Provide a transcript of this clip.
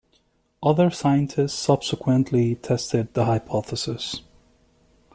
Other scientists subsequently tested the hypothesis.